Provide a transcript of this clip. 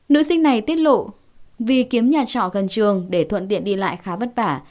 nữ sinh này tiết lộ vì kiếm nhà trọ gần trường để thuận tiện đi lại khá vất vả